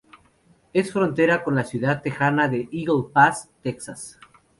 Es frontera con la ciudad texana de Eagle Pass, Texas.